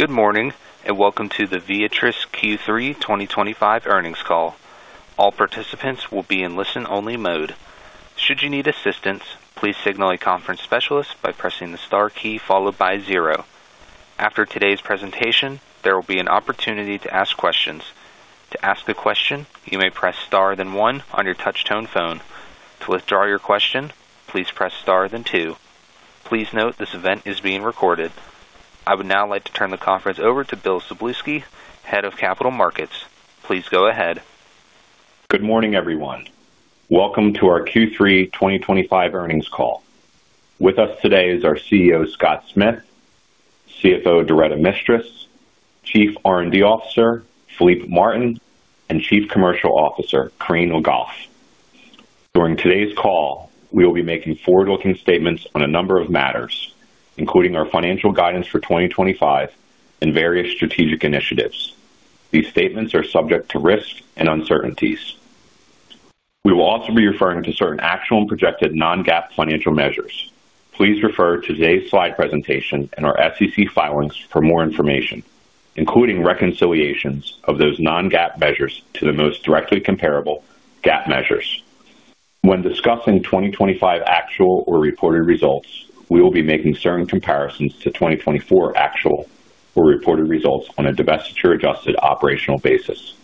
Good morning and Welcome to the Viatris Q3 2025 earnings call. All participants will be in listen-only mode. Should you need assistance, please signal a conference specialist by pressing the star key followed by zero. After today's presentation, there will be an opportunity to ask questions. To ask a question, you may press star then one on your touch-tone phone. To withdraw your question, please press star then two. Please note this event is being recorded. I would now like to turn the conference over to Bill Szablewski, Head of Capital Markets. Please go ahead. Good morning, everyone. Welcome to our Q3 2025 earnings call. With us today is our CEO, Scott Smith, CFO, Doretta Mistras, Chief R&D Officer, Philippe Martin, and Chief Commercial Officer, Corinne Le Goff. During today's call, we will be making forward-looking statements on a number of matters, including our financial guidance for 2025 and various strategic initiatives. These statements are subject to risk and uncertainties. We will also be referring to certain actual and projected non-GAAP financial measures. Please refer to today's slide presentation and our SEC filings for more information, including reconciliations of those non-GAAP measures to the most directly comparable GAAP measures. When discussing 2025 actual or reported results, we will be making certain comparisons to 2024 actual or reported results on a divestiture-adjusted operational basis,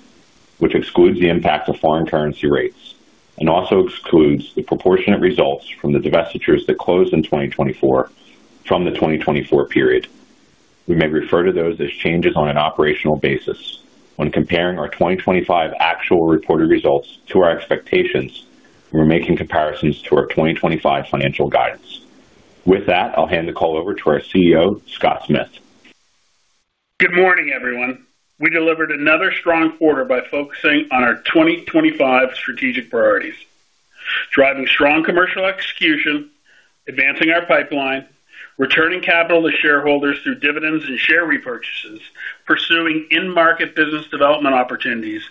which excludes the impact of foreign currency rates and also excludes the proportionate results from the divestitures that closed in 2024 from the 2024 period. We may refer to those as changes on an operational basis. When comparing our 2025 actual or reported results to our expectations, we're making comparisons to our 2025 financial guidance. With that, I'll hand the call over to our CEO, Scott Smith. Good morning, everyone. We delivered another strong quarter by focusing on our 2025 strategic priorities: driving strong commercial execution, advancing our pipeline, returning capital to shareholders through dividends and share repurchases, pursuing in-market business development opportunities,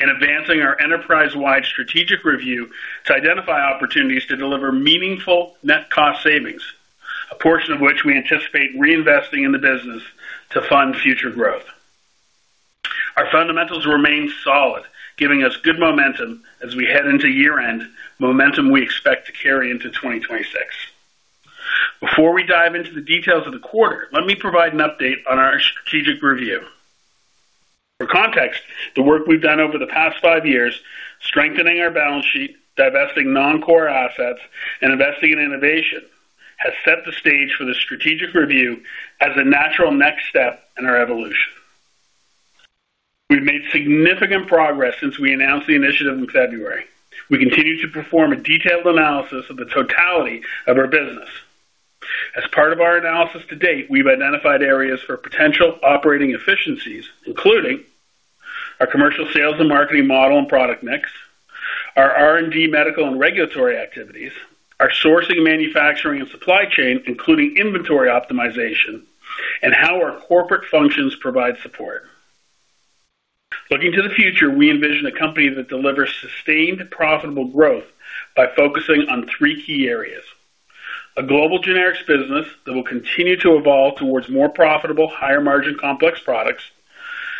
and advancing our enterprise-wide strategic review to identify opportunities to deliver meaningful net cost savings, a portion of which we anticipate reinvesting in the business to fund future growth. Our fundamentals remain solid, giving us good momentum as we head into year-end, momentum we expect to carry into 2026. Before we dive into the details of the quarter, let me provide an update on our strategic review. For context, the work we've done over the past five years, strengthening our balance sheet, divesting non-core assets, and investing in innovation, has set the stage for the strategic review as a natural next step in our evolution. We've made significant progress since we announced the initiative in February. We continue to perform a detailed analysis of the totality of our business. As part of our analysis to date, we've identified areas for potential operating efficiencies, including our commercial sales and marketing model and product mix, our R&D, medical, and regulatory activities, our sourcing, manufacturing, and supply chain, including inventory optimization, and how our corporate functions provide support. Looking to the future, we envision a company that delivers sustained, profitable growth by focusing on three key areas: a global generics business that will continue to evolve towards more profitable, higher-margin complex products;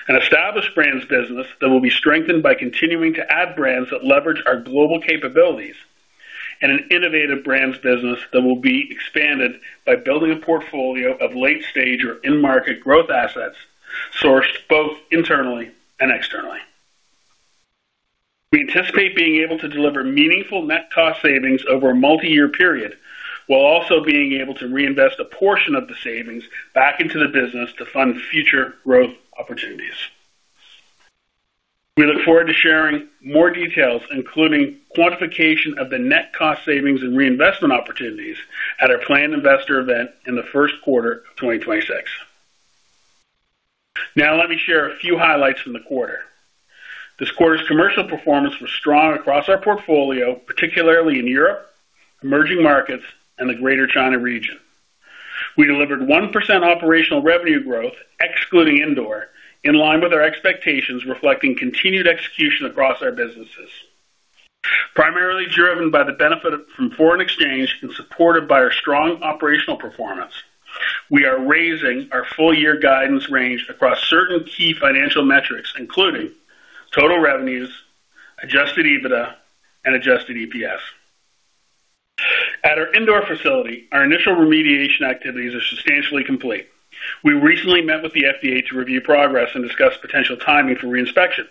an established brands business that will be strengthened by continuing to add brands that leverage our global capabilities; and an innovative brands business that will be expanded by building a portfolio of late-stage or in-market growth assets sourced both internally and externally. We anticipate being able to deliver meaningful net cost savings over a multi-year period while also being able to reinvest a portion of the savings back into the business to fund future growth opportunities. We look forward to sharing more details, including quantification of the net cost savings and reinvestment opportunities at our planned investor event in the first quarter of 2026. Now, let me share a few highlights from the quarter. This quarter's commercial performance was strong across our portfolio, particularly in Europe, emerging markets, and the Greater China region. We delivered 1% operational revenue growth, excluding Indore, in line with our expectations, reflecting continued execution across our businesses. Primarily driven by the benefit from foreign exchange and supported by our strong operational performance, we are raising our full-year guidance range across certain key financial metrics, including total revenues, adjusted EBITDA, and adjusted EPS. At our Indore facility, our initial remediation activities are substantially complete. We recently met with the FDA to review progress and discuss potential timing for reinspection.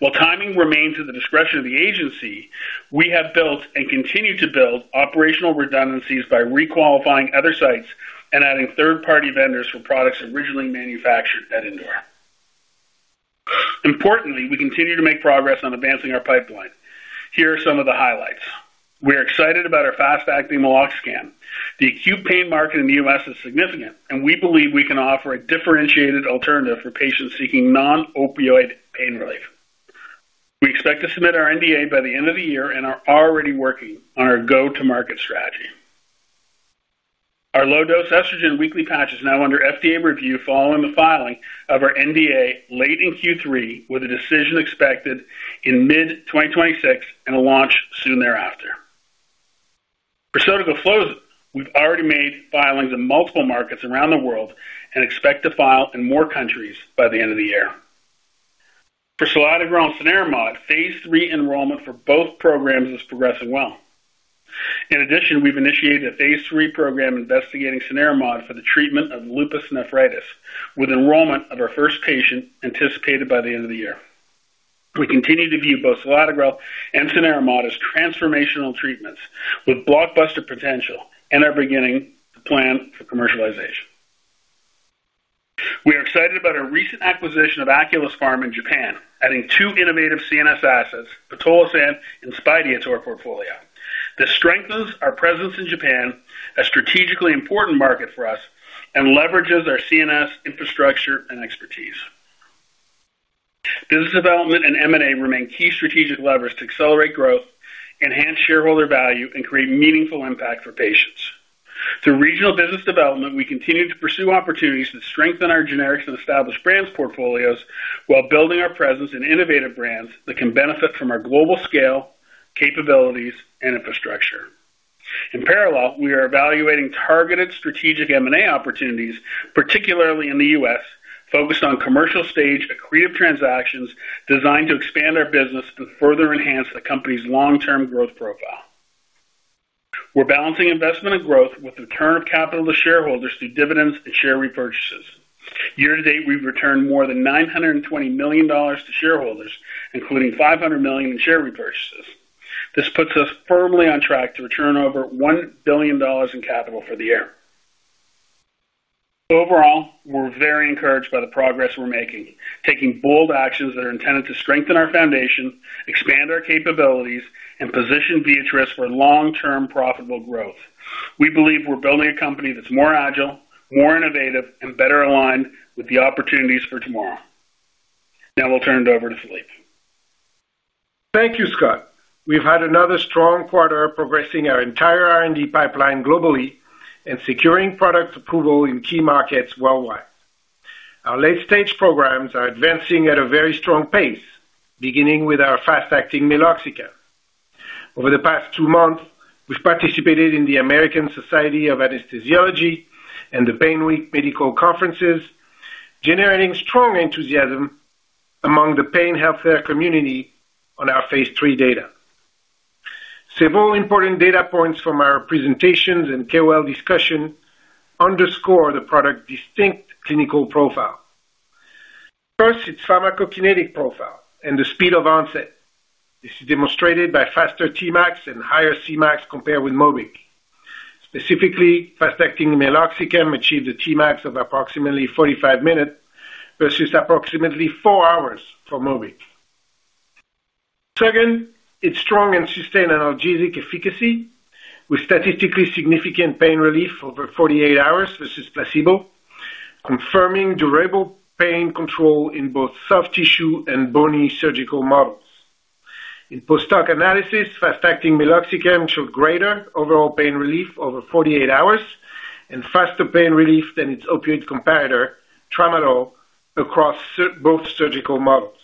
While timing remains at the discretion of the agency, we have built and continue to build operational redundancies by requalifying other sites and adding third-party vendors for products originally manufactured at Indore. Importantly, we continue to make progress on advancing our pipeline. Here are some of the highlights. We are excited about our fast-acting meloxicam. The acute pain market in the U.S. is significant, and we believe we can offer a differentiated alternative for patients seeking non-opioid pain relief. We expect to submit our NDA by the end of the year and are already working on our go-to-market strategy. Our low-dose estrogen weekly patch is now under FDA review following the filing of our NDA late in Q3, with a decision expected in mid-2026 and a launch soon thereafter. For [Surgiflo], we've already made filings in multiple markets around the world and expect to file in more countries by the end of the year. For cenerimod, phase III enrollment for both programs is progressing well. In addition, we've initiated a phase III program investigating cenerimod for the treatment of lupus nephritis, with enrollment of our first patient anticipated by the end of the year. We continue to view both selatogrel and cenerimod as transformational treatments with blockbuster potential and are beginning to plan for commercialization. We are excited about our recent acquisition of Aculys Pharma in Japan, adding two innovative CNS assets, pitolisant and Spydia, to our portfolio. This strengthens our presence in Japan, a strategically important market for us, and leverages our CNS infrastructure and expertise. Business development and M&A remain key strategic levers to accelerate growth, enhance shareholder value, and create meaningful impact for patients. Through regional business development, we continue to pursue opportunities that strengthen our generics and established brands portfolios while building our presence in innovative brands that can benefit from our global scale, capabilities, and infrastructure. In parallel, we are evaluating targeted strategic M&A opportunities, particularly in the U.S., focused on commercial-stage accretive transactions designed to expand our business and further enhance the company's long-term growth profile. We're balancing investment and growth with return of capital to shareholders through dividends and share repurchases. Year to date, we've returned more than $920 million to shareholders, including $500 million in share repurchases. This puts us firmly on track to return over $1 billion in capital for the year. Overall, we're very encouraged by the progress we're making, taking bold actions that are intended to strengthen our foundation, expand our capabilities, and position Viatris for long-term profitable growth. We believe we're building a company that's more agile, more innovative, and better aligned with the opportunities for tomorrow. Now, we'll turn it over to Philippe. Thank you, Scott. We've had another strong quarter progressing our entire R&D pipeline globally and securing product approval in key markets worldwide. Our late-stage programs are advancing at a very strong pace, beginning with our fast-acting meloxicam. Over the past two months, we've participated in the American Society of Anesthesiology and the PAINWeek Medical Conferences, generating strong enthusiasm among the pain healthcare community on our phase III data. Several important data points from our presentations and KOL discussion underscore the product's distinct clinical profile. First, its pharmacokinetic profile and the speed of onset. This is demonstrated by faster Tmax and higher Cmax compared with Mobic. Specifically, fast-acting meloxicam achieved a Tmax of approximately 45 minutes versus approximately four hours for Mobic. Second, its strong and sustained analgesic efficacy, with statistically significant pain relief over 48 hours versus placebo, confirming durable pain control in both soft tissue and bony surgical models. In postdoc analysis, fast-acting meloxicam showed greater overall pain relief over 48 hours and faster pain relief than its opioid comparator, tramadol, across both surgical models.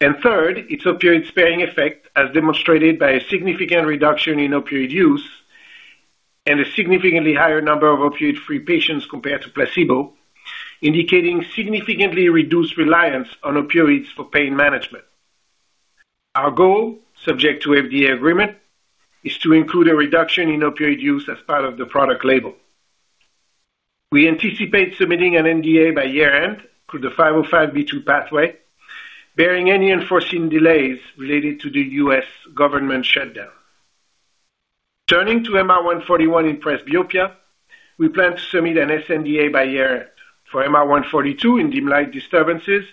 Third, its opioid-sparing effect, as demonstrated by a significant reduction in opioid use. A significantly higher number of opioid-free patients compared to placebo, indicating significantly reduced reliance on opioids for pain management. Our goal, subject to FDA agreement, is to include a reduction in opioid use as part of the product label. We anticipate submitting an NDA by year-end through the 505(b)(2) pathway, bearing any unforeseen delays related to the U.S. government shutdown. Turning to MR-141 in presbyopia, we plan to submit an sNDA by year-end. For MR-142 in dim light disturbances,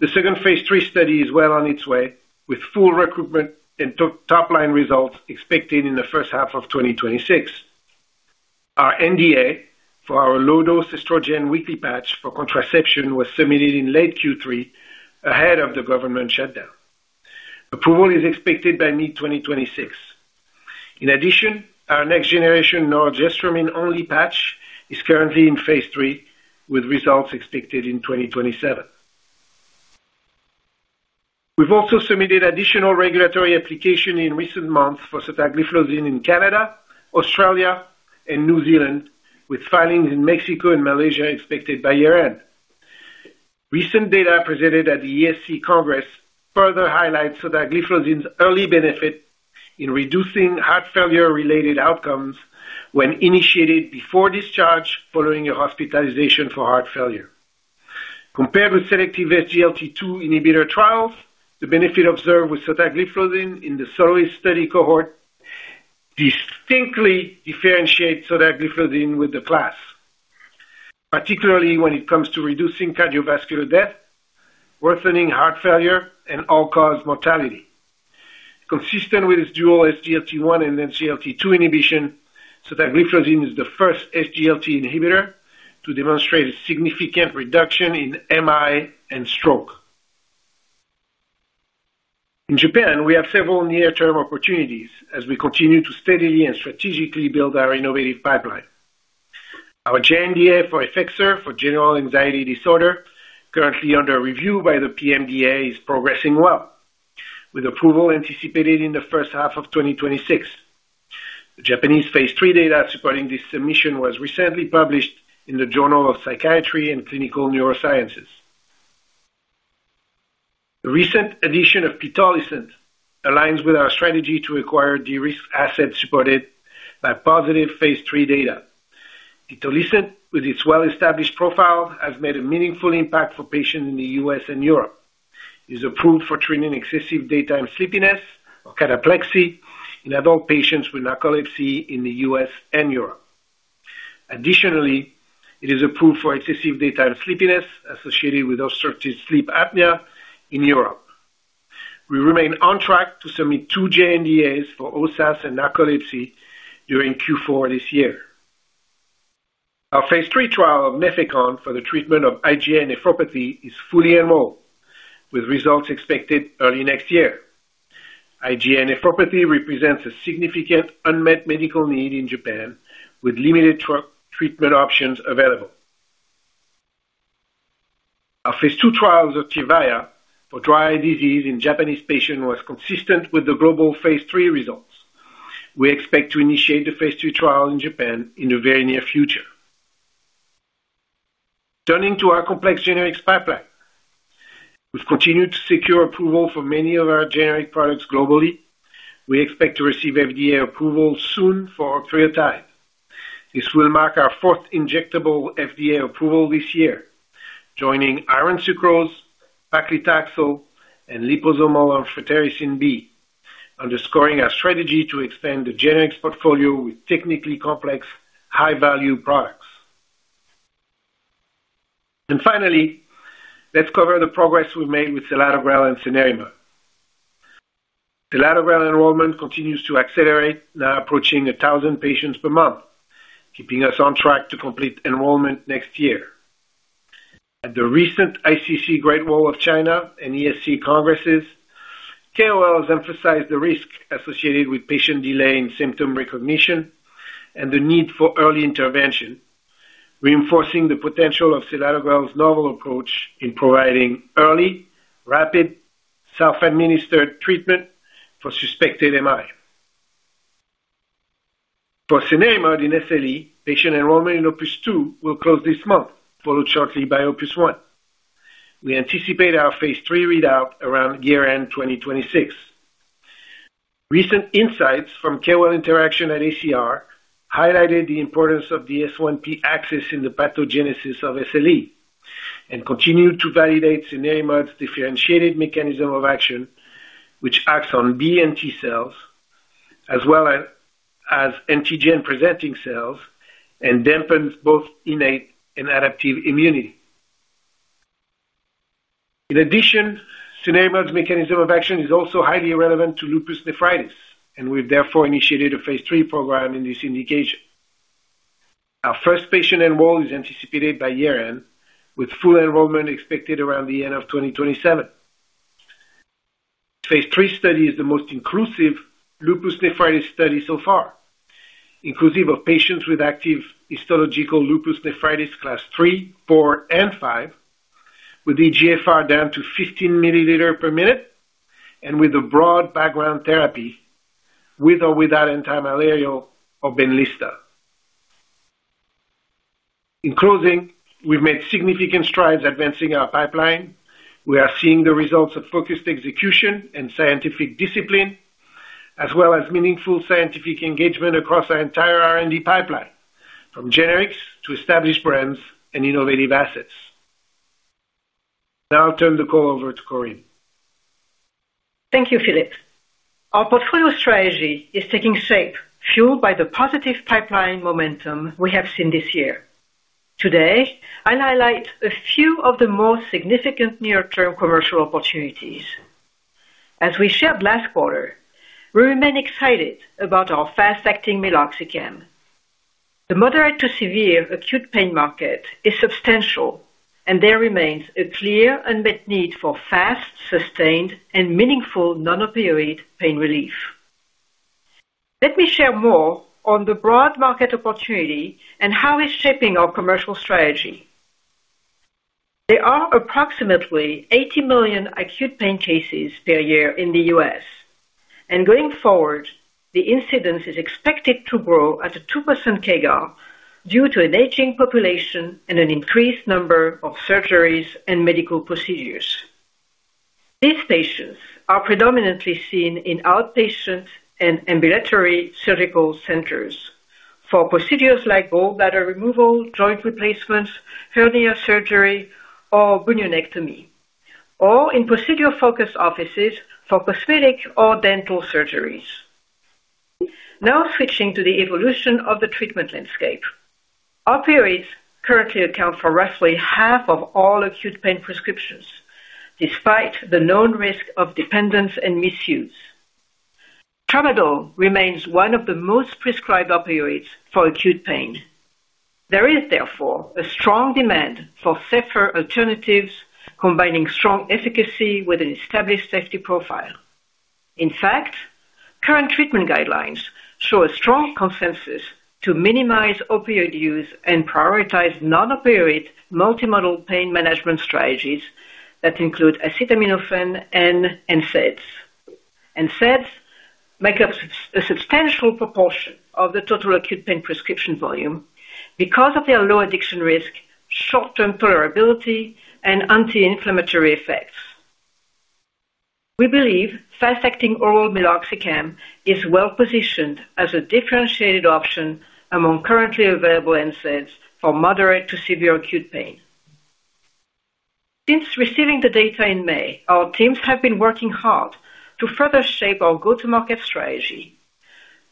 the second phase III study is well on its way, with full recruitment and top-line results expected in the first half of 2026. Our NDA for our low-dose estrogen weekly patch for contraception was submitted in late Q3, ahead of the government shutdown. Approval is expected by mid-2026. In addition, our next-generation [noradjustramine]-only patch is currently in phase III, with results expected in 2027. We've also submitted additional regulatory application in recent months for sotagliflozin in Canada, Australia, and New Zealand, with filings in Mexico and Malaysia expected by year-end. Recent data presented at the ESC Congress further highlights sotagliflozin's early benefit in reducing heart failure-related outcomes when initiated before discharge following a hospitalization for heart failure. Compared with selective SGLT2 inhibitor trials, the benefit observed with sotagliflozin in the SOLOIST study cohort distinctly differentiates sotagliflozin with the class. Particularly when it comes to reducing cardiovascular death, worsening heart failure, and all-cause mortality. Consistent with its dual SGLT1 and SGLT2 inhibition, sotagliflozin is the first SGLT inhibitor to demonstrate a significant reduction in MI and stroke. In Japan, we have several near-term opportunities as we continue to steadily and strategically build our innovative pipeline. Our JNDA for Effexor for general anxiety disorder, currently under review by the PMDA, is progressing well, with approval anticipated in the first half of 2026. The Japanese phase III data supporting this submission was recently published in the Journal of Psychiatry and Clinical Neurosciences. The recent addition of pitolisant aligns with our strategy to acquire de-risked assets supported by positive phase III data. Pitolisant, with its well-established profile, has made a meaningful impact for patients in the U.S. and Europe. It is approved for treating excessive daytime sleepiness or cataplexy in adult patients with narcolepsy in the U.S. and Europe. Additionally, it is approved for excessive daytime sleepiness associated with obstructive sleep apnea in Europe. We remain on track to submit two JNDAs for OSAS and narcolepsy during Q4 this year. Our phase III trial of Nefecon for the treatment of IgA nephropathy is fully enrolled, with results expected early next year. IgA nephropathy represents a significant unmet medical need in Japan, with limited treatment options available. Our phase II trials of Tyrvaya for dry eye disease in Japanese patients were consistent with the global phase III results. We expect to initiate the phase III trial in Japan in the very near future. Turning to our complex generics pipeline. We've continued to secure approval for many of our generic products globally. We expect to receive FDA approval soon for our [Triotide]. This will mark our fourth injectable FDA approval this year, joining iron sucrose, paclitaxel, and liposomal amphotericin B, underscoring our strategy to extend the generics portfolio with technically complex, high-value products. Finally, let's cover the progress we've made with selatogrel and cenerimod. Selatogrel enrollment continues to accelerate, now approaching 1,000 patients per month, keeping us on track to complete enrollment next year. At the recent ICC Great Wall of China and ESC Congresses, KOLs emphasized the risk associated with patient delay in symptom recognition and the need for early intervention, reinforcing the potential of selatogrel's novel approach in providing early, rapid, self-administered treatment for suspected MI. For cenerimod in SLE, patient enrollment in OPUS-2 will close this month, followed shortly by OPUS-1. We anticipate our phase III readout around year-end 2026. Recent insights from KOL interaction at ACR highlighted the importance of the S1P axis in the pathogenesis of SLE and continued to validate cenerimod's differentiated mechanism of action, which acts on B and T cells, as well as antigen-presenting cells, and dampens both innate and adaptive immunity. In addition, cenerimod's mechanism of action is also highly relevant to lupus nephritis, and we've therefore initiated a phase III program in this indication. Our first patient enroll is anticipated by year-end, with full enrollment expected around the end of 2027, phase III study is the most inclusive lupus nephritis study so far, inclusive of patients with active histological lupus nephritis class III, IV, and V, with the GFR down to 15 milliliter per minute and with a broad background therapy with or without antimalarial or BENLYSTA. In closing, we've made significant strides advancing our pipeline. We are seeing the results of focused execution and scientific discipline, as well as meaningful scientific engagement across our entire R&D pipeline, from generics to established brands and innovative assets. Now I'll turn the call over to Corinne. Thank you, Philippe. Our portfolio strategy is taking shape, fueled by the positive pipeline momentum we have seen this year. Today, I'll highlight a few of the most significant near-term commercial opportunities. As we shared last quarter, we remain excited about our fast-acting meloxicam. The moderate to severe acute pain market is substantial, and there remains a clear unmet need for fast, sustained, and meaningful non-opioid pain relief. Let me share more on the broad market opportunity and how it's shaping our commercial strategy. There are approximately 80 million acute pain cases per year in the U.S., and going forward, the incidence is expected to grow at a 2% CAGR due to an aging population and an increased number of surgeries and medical procedures. These patients are predominantly seen in outpatient and ambulatory surgical centers for procedures like gallbladder removal, joint replacements, hernia surgery, or bunionectomy, or in procedure-focused offices for cosmetic or dental surgeries. Now switching to the evolution of the treatment landscape. Opioids currently account for roughly half of all acute pain prescriptions, despite the known risk of dependence and misuse. Tramadol remains one of the most prescribed opioids for acute pain. There is, therefore, a strong demand for safer alternatives combining strong efficacy with an established safety profile. In fact, current treatment guidelines show a strong consensus to minimize opioid use and prioritize non-opioid multimodal pain management strategies that include acetaminophen and NSAIDs. NSAIDs make up a substantial proportion of the total acute pain prescription volume because of their low addiction risk, short-term tolerability, and anti-inflammatory effects. We believe fast-acting oral meloxicam is well-positioned as a differentiated option among currently available NSAIDs for moderate to severe acute pain. Since receiving the data in May, our teams have been working hard to further shape our go-to-market strategy.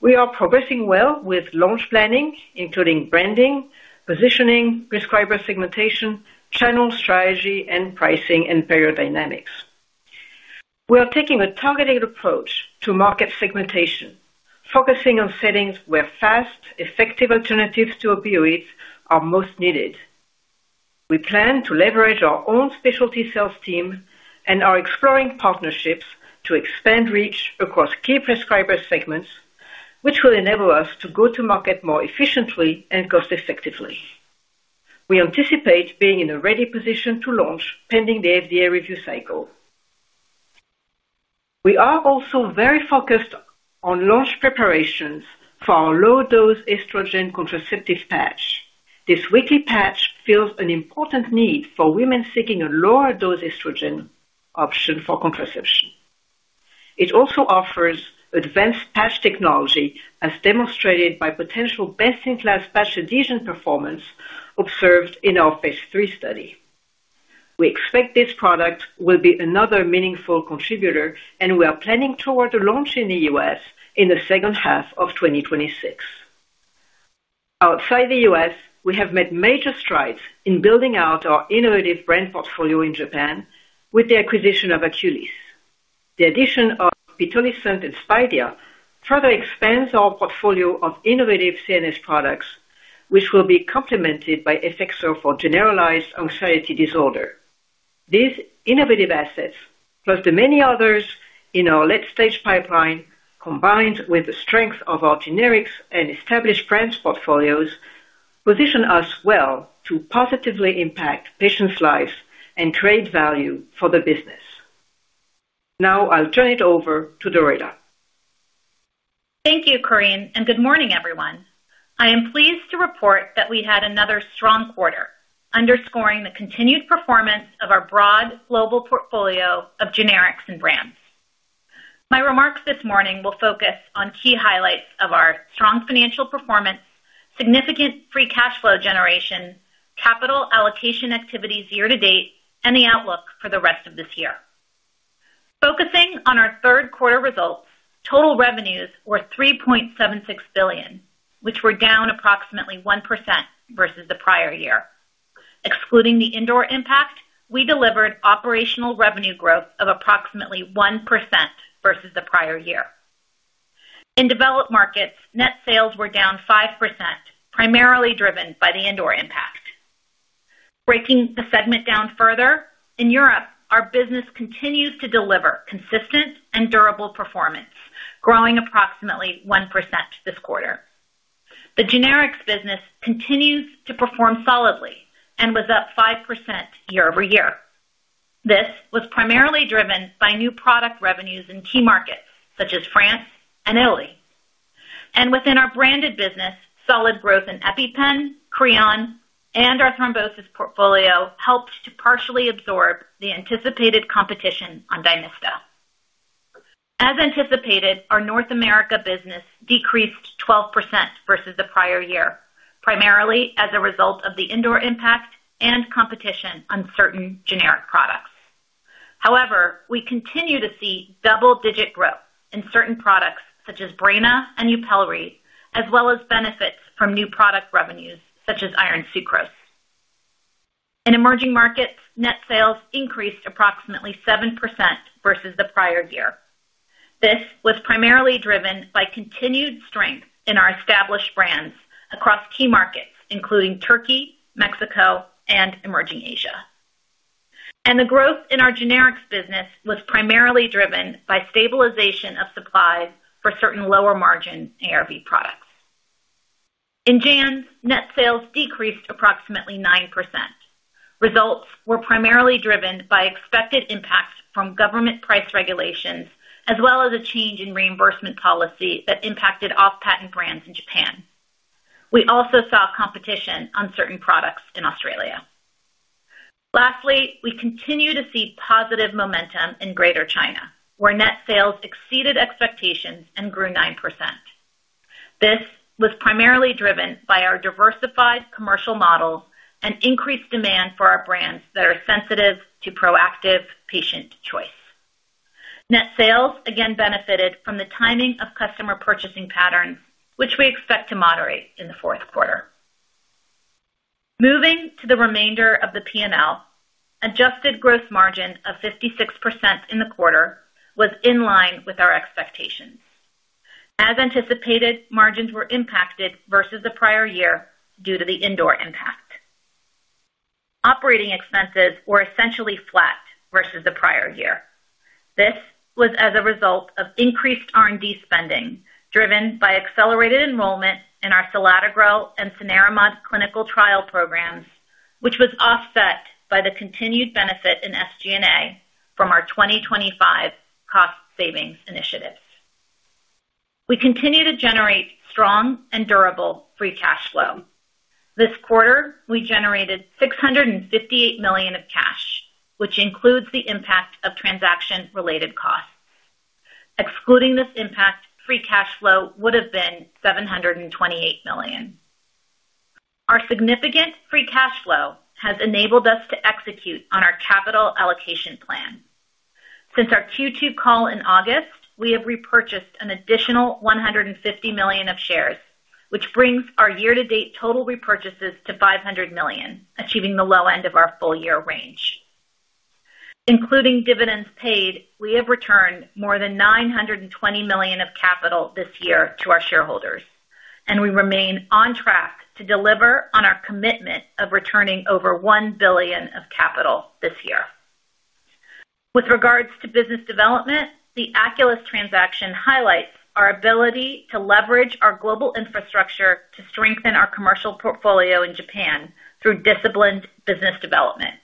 We are progressing well with launch planning, including branding, positioning, prescriber segmentation, channel strategy, and pricing and payer dynamics. We are taking a targeted approach to market segmentation, focusing on settings where fast, effective alternatives to opioids are most needed. We plan to leverage our own specialty sales team and are exploring partnerships to expand reach across key prescriber segments, which will enable us to go-to-market more efficiently and cost-effectively. We anticipate being in a ready position to launch pending the FDA review cycle. We are also very focused on launch preparations for our low-dose estrogen contraceptive patch. This weekly patch fills an important need for women seeking a lower-dose estrogen option for contraception. It also offers advanced patch technology, as demonstrated by potential best-in-class patch adhesion performance observed in our phase III study. We expect this product will be another meaningful contributor, and we are planning toward the launch in the U.S. in the second half of 2026. Outside the U.S., we have made major strides in building out our innovative brand portfolio in Japan with the acquisition of Aculys. The addition of pitolisant and solriamfetol further expands our portfolio of innovative CNS products, which will be complemented by Effexor for generalized anxiety disorder. These innovative assets, plus the many others in our late-stage pipeline, combined with the strength of our generics and established brands' portfolios, position us well to positively impact patients' lives and create value for the business. Now I'll turn it over to Doretta. Thank you, Corinne, and good morning, everyone. I am pleased to report that we had another strong quarter, underscoring the continued performance of our broad global portfolio of generics and brands. My remarks this morning will focus on key highlights of our strong financial performance, significant free cash flow generation, capital allocation activities year-to-date, and the outlook for the rest of this year. Focusing on our third-quarter results, total revenues were $3.76 billion, which were down approximately 1% versus the prior year. Excluding the Indore impact, we delivered operational revenue growth of approximately 1% versus the prior year. In developed markets, net sales were down 5%, primarily driven by the Indore impact. Breaking the segment down further, in Europe, our business continues to deliver consistent and durable performance, growing approximately 1% this quarter. The generics business continues to perform solidly and was up 5% year-over-year. This was primarily driven by new product revenues in key markets such as France and Italy. Within our branded business, solid growth in EpiPen, Creon, and our Thrombosis portfolio helped to partially absorb the anticipated competition on Dymista. As anticipated, our North America business decreased 12% versus the prior year, primarily as a result of the Indore impact and competition on certain generic products. However, we continue to see double-digit growth in certain products such as Breyna and Yupelri, as well as benefits from new product revenues such as iron sucrose. In emerging markets, net sales increased approximately 7% versus the prior year. This was primarily driven by continued strength in our established brands across key markets, including Turkey, Mexico, and emerging Asia. The growth in our generics business was primarily driven by stabilization of supplies for certain lower-margin ARV products. In Japan, net sales decreased approximately 9%. Results were primarily driven by expected impact from government price regulations, as well as a change in reimbursement policy that impacted off-patent brands in Japan. We also saw competition on certain products in Australia. Lastly, we continue to see positive momentum in Greater China, where net sales exceeded expectations and grew 9%. This was primarily driven by our diversified commercial model and increased demand for our brands that are sensitive to proactive patient choice. Net sales again benefited from the timing of customer purchasing patterns, which we expect to moderate in the fourth quarter. Moving to the remainder of the P&L, adjusted gross margin of 56% in the quarter was in line with our expectations. As anticipated, margins were impacted versus the prior year due to the Indore impact. Operating expenses were essentially flat versus the prior year. This was as a result of increased R&D spending driven by accelerated enrollment in our selatogrel and cenerimod clinical trial programs, which was offset by the continued benefit in SG&A from our 2025 cost savings initiatives. We continue to generate strong and durable free cash flow. This quarter, we generated $658 million of cash, which includes the impact of transaction-related costs. Excluding this impact, free cash flow would have been $728 million. Our significant free cash flow has enabled us to execute on our capital allocation plan. Since our Q2 call in August, we have repurchased an additional $150 million of shares, which brings our year-to-date total repurchases to $500 million, achieving the low end of our full-year range. Including dividends paid, we have returned more than $920 million of capital this year to our shareholders, and we remain on track to deliver on our commitment of returning over $1 billion of capital this year. With regards to business development, the Aculys transaction highlights our ability to leverage our global infrastructure to strengthen our commercial portfolio in Japan through disciplined business development.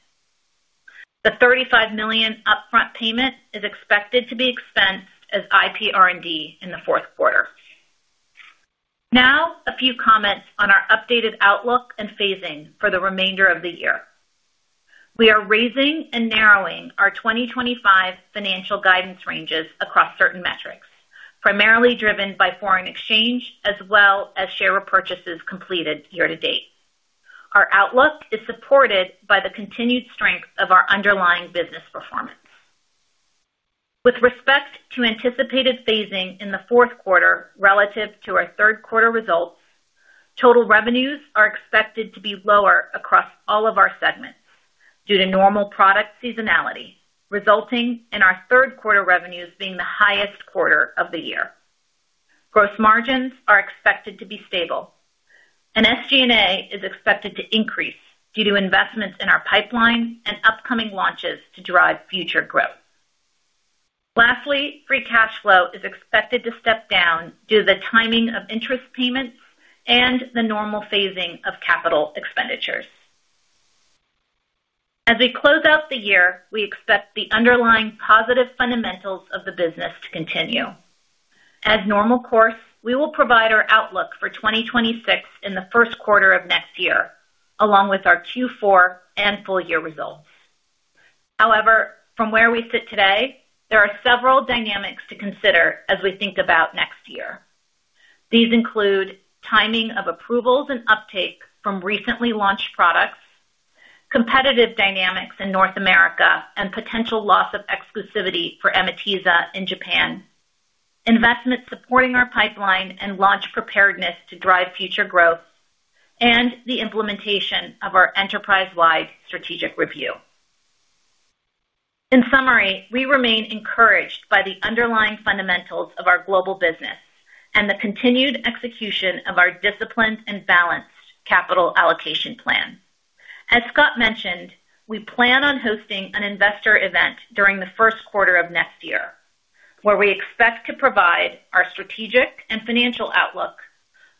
The $35 million upfront payment is expected to be expensed as IP R&D in the fourth quarter. Now, a few comments on our updated outlook and phasing for the remainder of the year. We are raising and narrowing our 2025 financial guidance ranges across certain metrics, primarily driven by foreign exchange as well as share repurchases completed year-to-date. Our outlook is supported by the continued strength of our underlying business performance. With respect to anticipated phasing in the fourth quarter relative to our third-quarter results, total revenues are expected to be lower across all of our segments due to normal product seasonality, resulting in our third-quarter revenues being the highest quarter of the year. Gross margins are expected to be stable. SG&A is expected to increase due to investments in our pipeline and upcoming launches to drive future growth. Lastly, free cash flow is expected to step down due to the timing of interest payments and the normal phasing of capital expenditures. As we close out the year, we expect the underlying positive fundamentals of the business to continue. As normal course, we will provide our outlook for 2026 in the first quarter of next year, along with our Q4 and full-year results. However, from where we sit today, there are several dynamics to consider as we think about next year. These include timing of approvals and uptake from recently launched products, competitive dynamics in North America, and potential loss of exclusivity for Amitiza in Japan, investments supporting our pipeline and launch preparedness to drive future growth, and the implementation of our enterprise-wide strategic review. In summary, we remain encouraged by the underlying fundamentals of our global business and the continued execution of our disciplined and balanced capital allocation plan. As Scott mentioned, we plan on hosting an investor event during the first quarter of next year, where we expect to provide our strategic and financial outlook,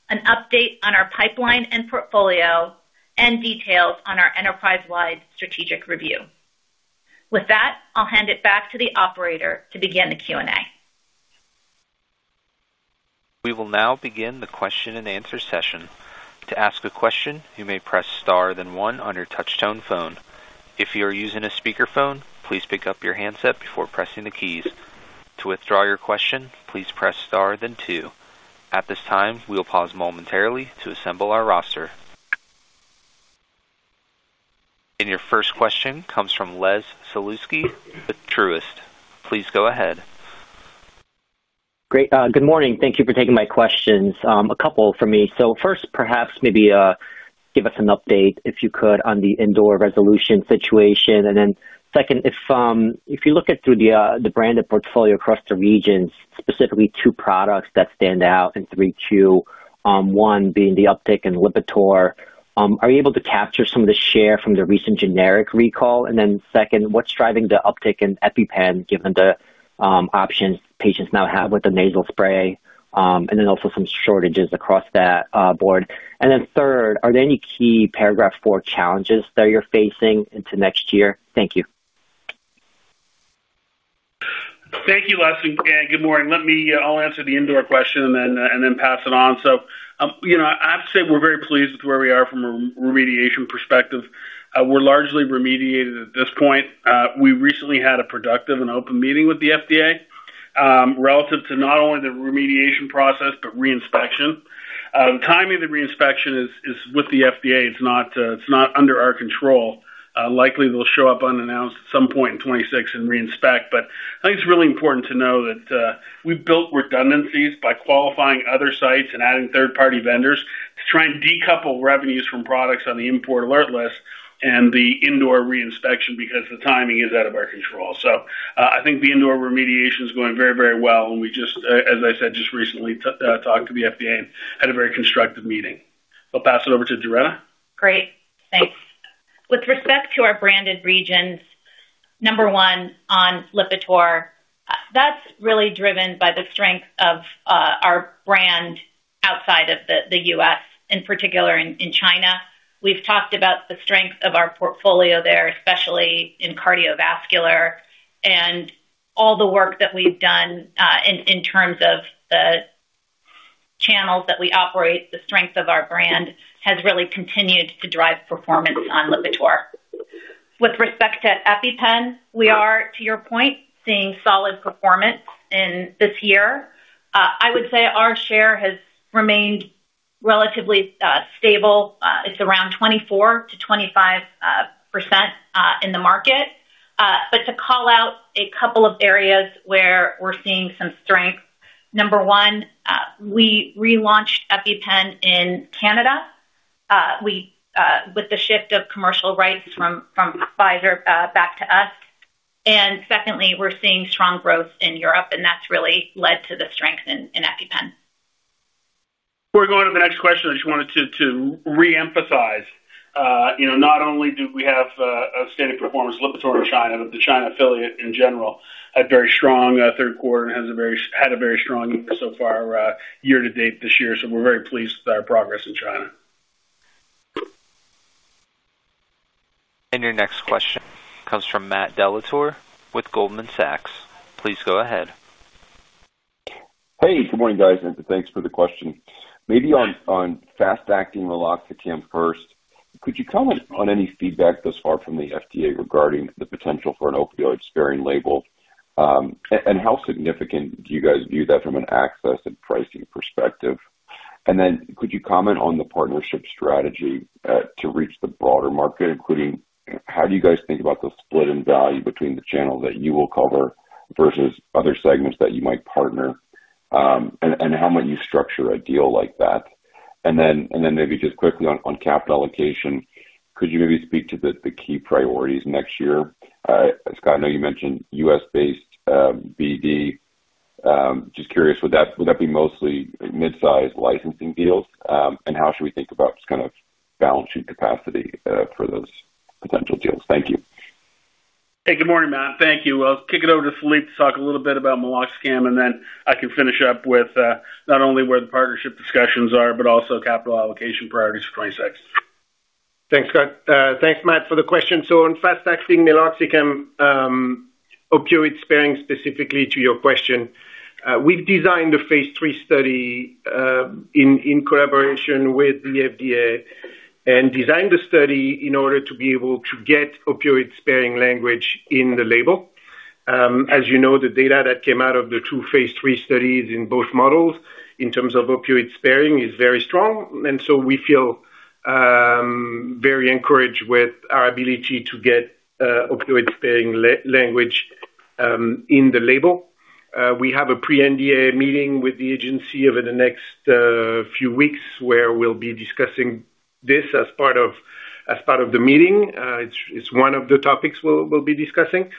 an update on our pipeline and portfolio, and details on our enterprise-wide strategic review. With that, I'll hand it back to the operator to begin the Q&A. We will now begin the question-and-answer session. To ask a question, you may press star then one on your touch-tone phone. If you are using a speakerphone, please pick up your handset before pressing the keys. To withdraw your question, please press star then two. At this time, we will pause momentarily to assemble our roster. Your first question comes from Les Sulewski, the Truist. Please go ahead. Great. Good morning. Thank you for taking my questions. A couple for me. First, perhaps maybe give us an update, if you could, on the Indore resolution situation. Second, if you look at through the branded portfolio across the regions, specifically two products that stand out in 3Q, one being the EpiPen and Lipitor, are you able to capture some of the share from the recent generic recall? Second, what's driving the uptake in EpiPen, given the options patients now have with the nasal spray? Also, some shortages across that board. Third, are there any key paragraph four challenges that you're facing into next year? Thank you. Thank you, Les. And good morning. Let me, I'll answer the Indore question and then pass it on. I'd say we're very pleased with where we are from a remediation perspective. We're largely remediated at this point. We recently had a productive and open meeting with the FDA. Relative to not only the remediation process but reinspection. Timing the reinspection is with the FDA. It's not under our control. Likely, they'll show up unannounced at some point in 2026 and reinspect. I think it's really important to know that we've built redundancies by qualifying other sites and adding third-party vendors to try and decouple revenues from products on the import alert list and the Indore reinspection because the timing is out of our control. I think the Indore remediation is going very, very well. As I said, we just recently talked to the FDA and had a very constructive meeting. I'll pass it over to Doretta. Great. Thanks. With respect to our branded regions, number one on Lipitor, that's really driven by the strength of our brand outside of the U.S., in particular in China. We've talked about the strength of our portfolio there, especially in cardiovascular. And all the work that we've done in terms of the channels that we operate, the strength of our brand has really continued to drive performance on Lipitor. With respect to EpiPen, we are, to your point, seeing solid performance this year. I would say our share has remained relatively stable. It's around 24-25% in the market. But to call out a couple of areas where we're seeing some strength, number one, we relaunched EpiPen in Canada with the shift of commercial rights from Pfizer back to us. And secondly, we're seeing strong growth in Europe, and that's really led to the strength in EpiPen. We're going to the next question, which I wanted to re-emphasize. Not only do we have a steady performance with Lipitor in China, but the China affiliate in general had a very strong third quarter and had a very strong year so far year-to-date this year. We are very pleased with our progress in China. Your next question comes from Matt Dellatorre with Goldman Sachs. Please go ahead. Hey, good morning, guys. Thanks for the question. Maybe on fast-acting meloxicam first, could you comment on any feedback thus far from the FDA regarding the potential for an opioid-sparing label? How significant do you guys view that from an access and pricing perspective? Could you comment on the partnership strategy to reach the broader market, including how do you guys think about the split in value between the channels that you will cover versus other segments that you might partner? How might you structure a deal like that? Maybe just quickly on capital allocation, could you maybe speak to the key priorities next year? Scott, I know you mentioned US-based BD. Just curious, would that be mostly midsize licensing deals? How should we think about kind of balancing capacity for those potential deals? Thank you. Hey, good morning, Matt. Thank you. I'll kick it over to Philippe to talk a little bit about meloxicam, and then I can finish up with not only where the partnership discussions are, but also capital allocation priorities for 2026. Thanks, Scott. Thanks, Matt, for the question. On fast-acting meloxicam. Opioid-sparing, specifically to your question, we've designed a phase III study in collaboration with the FDA and designed the study in order to be able to get opioid-sparing language in the label. As you know, the data that came out of the two phase III studies in both models in terms of opioid sparing is very strong. We feel very encouraged with our ability to get opioid-sparing language in the label. We have a pre-NDA meeting with the agency over the next few weeks where we'll be discussing this as part of the meeting. It's one of the topics we'll be discussing.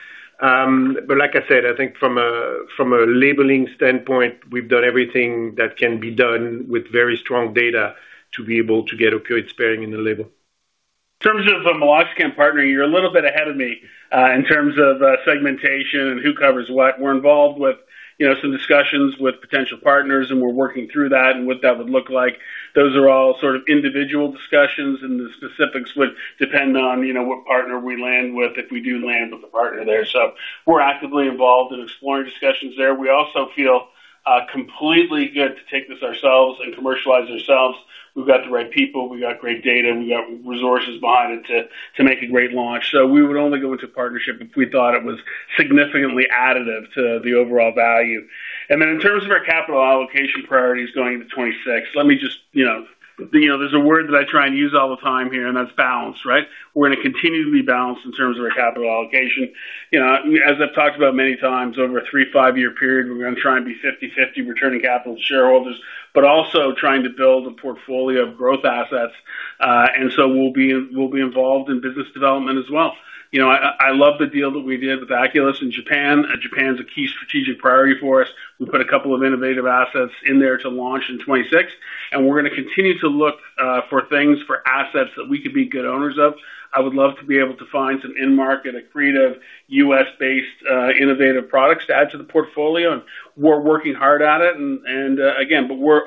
Like I said, I think from a labeling standpoint, we've done everything that can be done with very strong data to be able to get opioid-sparing in the label. In terms of meloxicam partnering, you're a little bit ahead of me in terms of segmentation and who covers what. We're involved with some discussions with potential partners, and we're working through that and what that would look like. Those are all sort of individual discussions, and the specifics would depend on what partner we land with if we do land with a partner there. We're actively involved in exploring discussions there. We also feel completely good to take this ourselves and commercialize ourselves. We've got the right people. We've got great data. We've got resources behind it to make a great launch. We would only go into partnership if we thought it was significantly additive to the overall value. In terms of our capital allocation priorities going into 2026, let me just. There's a word that I try and use all the time here, and that's balance, right? We're going to continue to be balanced in terms of our capital allocation. As I've talked about many times, over a three-five-year period, we're going to try and be 50/50 returning capital to shareholders, but also trying to build a portfolio of growth assets. We will be involved in business development as well. I love the deal that we did with Aculys in Japan. Japan's a key strategic priority for us. We put a couple of innovative assets in there to launch in 2026. We're going to continue to look for things, for assets that we could be good owners of. I would love to be able to find some in-market, accretive, U.S.-based innovative products to add to the portfolio. We're working hard at it.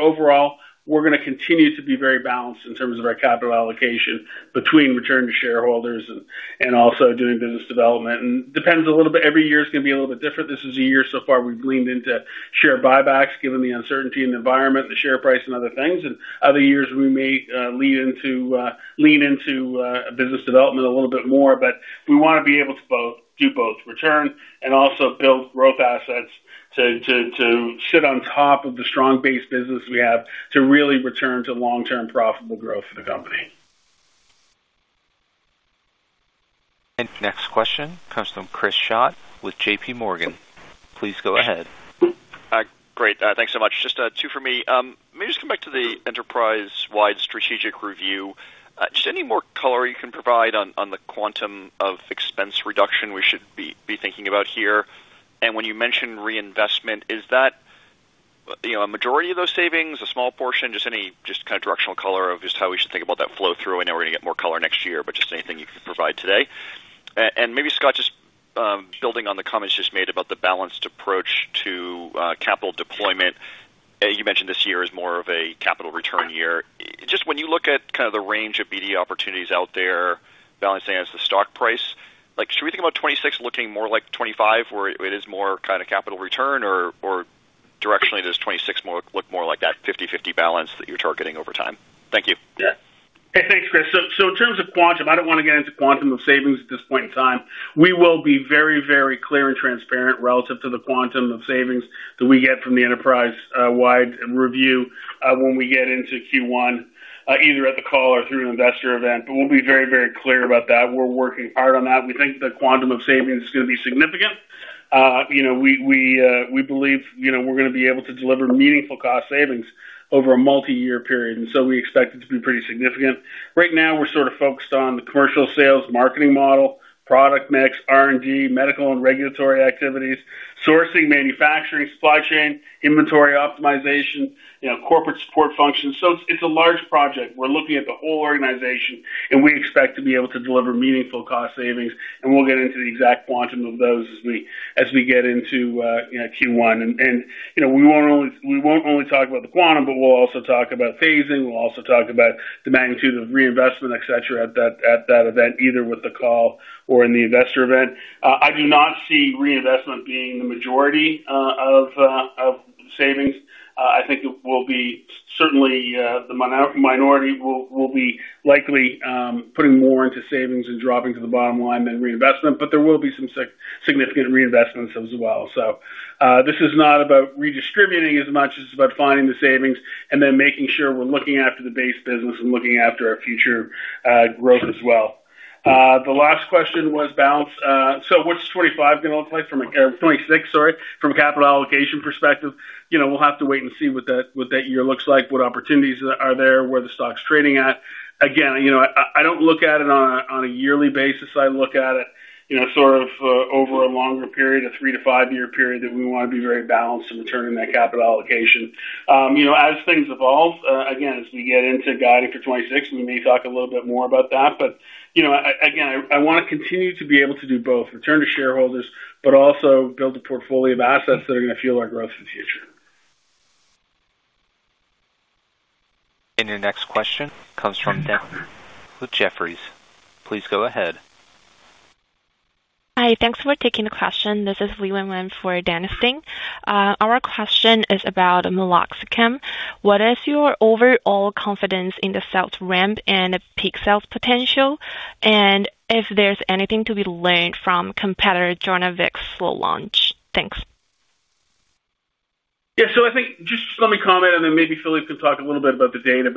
Overall, we're going to continue to be very balanced in terms of our capital allocation between return to shareholders and also doing business development. It depends a little bit. Every year is going to be a little bit different. This is a year so far we've leaned into share buybacks, given the uncertainty in the environment, the share price, and other things. Other years, we may lean into business development a little bit more. We want to be able to do both return and also build growth assets to sit on top of the strong base business we have to really return to long-term profitable growth for the company. Next question comes from Chris Schott with JPMorgan. Please go ahead. Great. Thanks so much. Just two for me. Maybe just come back to the enterprise-wide strategic review. Just any more color you can provide on the quantum of expense reduction we should be thinking about here. When you mentioned reinvestment, is that a majority of those savings, a small portion, just any kind of directional color of just how we should think about that flow through? I know we're going to get more color next year, but just anything you can provide today. Maybe, Scott, just building on the comments you just made about the balanced approach to capital deployment, you mentioned this year is more of a capital return year. Just when you look at kind of the range of BD opportunities out there, balancing against the stock price, should we think about 2026 looking more like 2025, where it is more kind of capital return, or directionally does 2026 look more like that 50/50 balance that you're targeting over time? Thank you. Yeah. Hey, thanks, Chris. In terms of quantum, I do not want to get into quantum of savings at this point in time. We will be very, very clear and transparent relative to the quantum of savings that we get from the enterprise-wide review when we get into Q1, either at the call or through an investor event. We will be very, very clear about that. We are working hard on that. We think the quantum of savings is going to be significant. We believe we are going to be able to deliver meaningful cost savings over a multi-year period. We expect it to be pretty significant. Right now, we are sort of focused on the commercial sales, marketing model, product mix, R&D, medical and regulatory activities, sourcing, manufacturing, supply chain, inventory optimization, corporate support functions. It is a large project. We're looking at the whole organization, and we expect to be able to deliver meaningful cost savings. We'll get into the exact quantum of those as we get into Q1. We will not only talk about the quantum, but we'll also talk about phasing. We'll also talk about the magnitude of reinvestment, etc., at that event, either with the call or in the investor event. I do not see reinvestment being the majority of savings. I think it will be certainly the minority. We will be likely putting more into savings and dropping to the bottom line than reinvestment. There will be some significant reinvestments as well. This is not about redistributing as much. It's about finding the savings and then making sure we're looking after the base business and looking after our future growth as well. The last question was balance. What is 2025 going to look like from a 2026, sorry, from a capital allocation perspective? We will have to wait and see what that year looks like, what opportunities are there, where the stock is trading at. Again, I do not look at it on a yearly basis. I look at it sort of over a longer period, a three-to-five-year period, that we want to be very balanced in returning that capital allocation. As things evolve, again, as we get into guiding for 2026, we may talk a little bit more about that. Again, I want to continue to be able to do both return to shareholders, but also build a portfolio of assets that are going to fuel our growth in the future. Your next question comes from With Jefferies, please go ahead. Hi. Thanks for taking the question. This is [Li Wenwen] for [Danasting]. Our question is about meloxicam. What is your overall confidence in the sales ramp and peak sales potential? If there's anything to be learned from competitor JornoVix's slow launch? Thanks. Yeah. I think just let me comment, and then maybe Philippe can talk a little bit about the data.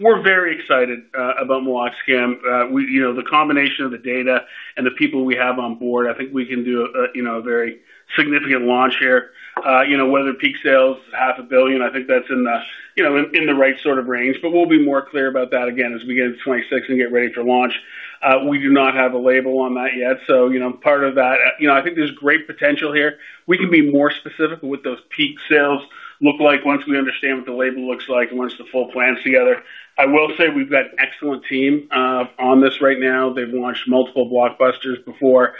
We're very excited about meloxicam. The combination of the data and the people we have on board, I think we can do a very significant launch here. Whether peak sales $500,000,000, I think that's in the right sort of range. We'll be more clear about that again as we get into 2026 and get ready for launch. We do not have a label on that yet. Part of that, I think there's great potential here. We can be more specific with what those peak sales look like once we understand what the label looks like and once the full plan's together. I will say we've got an excellent team on this right now. They've launched multiple blockbusters before.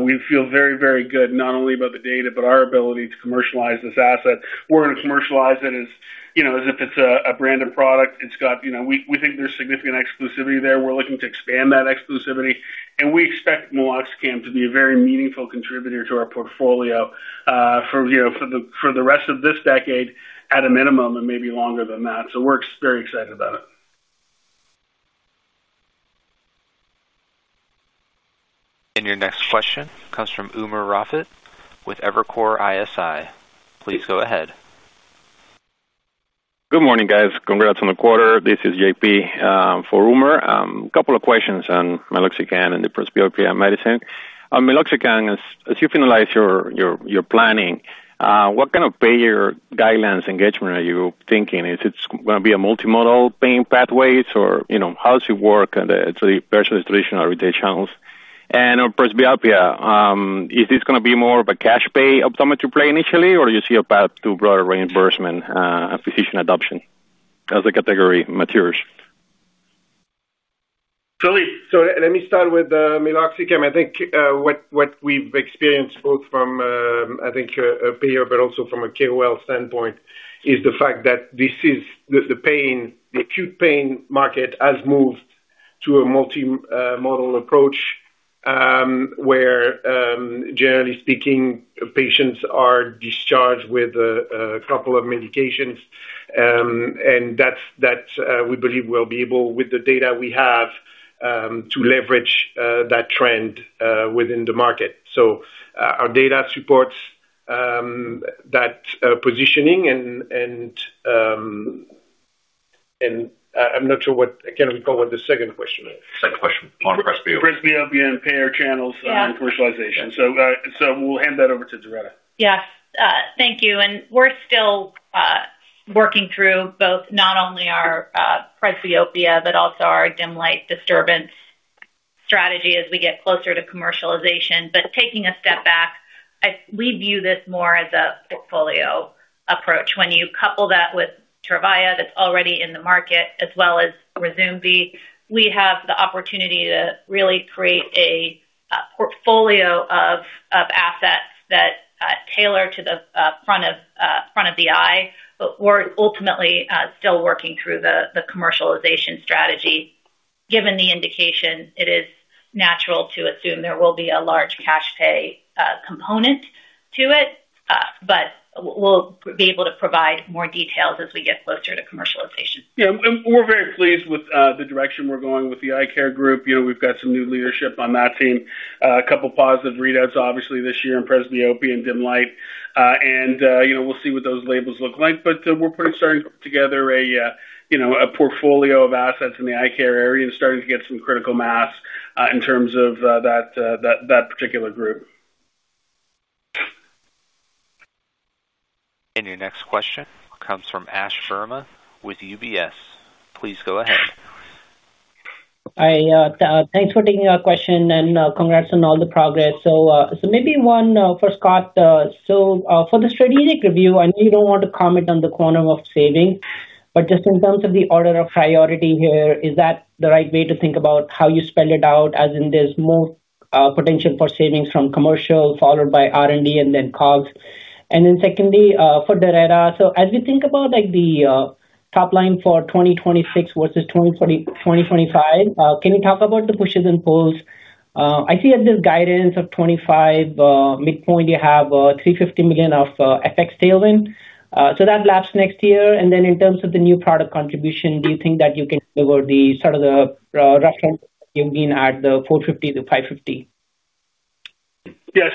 We feel very, very good not only about the data, but our ability to commercialize this asset. We are going to commercialize it as if it is a branded product. We think there is significant exclusivity there. We are looking to expand that exclusivity. We expect meloxicam to be a very meaningful contributor to our portfolio for the rest of this decade at a minimum and maybe longer than that. We are very excited about it. Your next question comes from Umer Raffat with Evercore ISI. Please go ahead. Good morning, guys. Congrats on the quarter. This is JP for Umer. A couple of questions on meloxicam and the presbyopia medicine. Meloxicam, as you finalize your planning, what kind of payer guidelines engagement are you thinking? Is it going to be a multimodal paying pathways, or how does it work versus traditional retail channels? On presbyopia, is this going to be more of a cash pay optometry play initially, or do you see a path to broader reimbursement and physician adoption as the category matures? Felipe, let me start with meloxicam. I think what we've experienced both from, I think, a payer, but also from a KOL standpoint, is the fact that this is the acute pain market has moved to a multimodal approach. Generally speaking, patients are discharged with a couple of medications. We believe we'll be able, with the data we have, to leverage that trend within the market. Our data supports that positioning. I'm not sure, I can't recall what the second question is. Second question. On presbyopia. Presbyopia and payer channels and commercialization. We'll hand that over to Doretta. Yes. Thank you. We're still working through both not only our presbyopia, but also our dim light disturbance strategy as we get closer to commercialization. Taking a step back, we view this more as a portfolio approach. When you couple that with [Trevia] that's already in the market, as well as RYZUMVI, we have the opportunity to really create a portfolio of assets that tailor to the front of the eye. We're ultimately still working through the commercialization strategy. Given the indication, it is natural to assume there will be a large cash pay component to it. We'll be able to provide more details as we get closer to commercialization. Yeah. We're very pleased with the direction we're going with the eye care group. We've got some new leadership on that team. A couple of positive readouts, obviously, this year in presbyopia and dim light. We'll see what those labels look like. We're starting to put together a portfolio of assets in the eye care area and starting to get some critical mass in terms of that particular group. Your next question comes from Ash Verma with UBS. Please go ahead. Hi. Thanks for taking our question and congrats on all the progress. Maybe one for Scott. For the strategic review, I know you do not want to comment on the quantum of savings. Just in terms of the order of priority here, is that the right way to think about how you spell it out, as in there is more potential for savings from commercial, followed by R&D, and then costs? Secondly, for Doretta, as we think about the top line for 2026 versus 2025, can you talk about the pushes and pulls? I see at this guidance of 2025 midpoint, you have $350 million of FX tailwind. That laps next year. In terms of the new product contribution, do you think that you can deliver the sort of the reference you have been at, the $450 million-$550 million? Yeah.